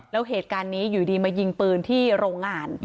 แล้วเหตุการณ์นี้อยู่ดีมายิงปืนที่โรงงาน